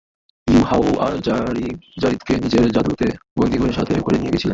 ইউহাওয়া যারীদকে নিজের জাদুতে বন্দি করে সাথে করে নিয়ে গিয়েছিল।